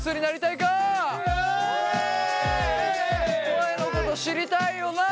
声のこと知りたいよな？